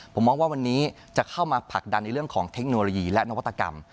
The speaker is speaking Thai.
ผมมองว่าวันนี้จะเข้ามาผลักดันในเรื่องของเทคโนโลยีและนวัตกรรม